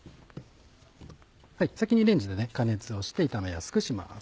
先にレンジで加熱をして炒めやすくします。